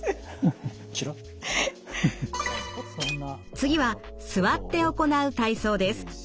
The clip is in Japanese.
次は座って行う体操です。